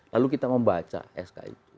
lalu kita membaca sk itu